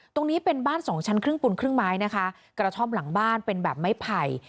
ตรงนี้เป็นบ้านสองชั้นครึ่งปูนครึ่งไม้นะคะกระท่อมหลังบ้านเป็นแบบไม้ไผ่